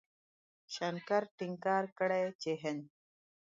شنکر ټينګار کړی چې هند